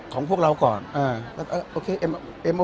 ของพวกเราก่อนเอ่อเออเออเอ็มเอ็มเอ็มเอ็มเอ็มเอ็มเอ็ม